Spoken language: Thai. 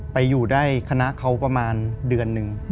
ไปอยู่ได้คณะเขาประมาณเดือนหนึ่ง